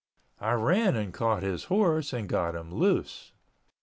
I ran and caught his horse and got him loose.